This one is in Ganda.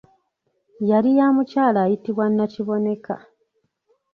Yali ya mukyala ayitibwa Nakiboneka.